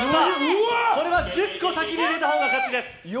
これは１０個先に入れたほうが勝ちです。